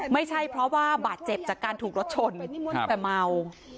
ไม่ใช่เพราะว่าบาดเจ็บจากการถูกรถชนแต่เมา